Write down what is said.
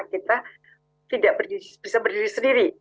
kita tidak bisa berdiri sendiri